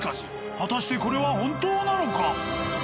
果たしてこれは本当なのか。